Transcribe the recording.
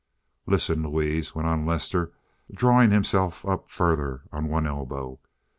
"Listen, Louise," went on Lester, drawing himself up further on one elbow.